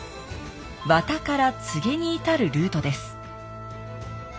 和田から柘植に至るルートです